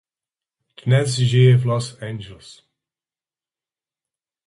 Dnes žije v Los Angeles.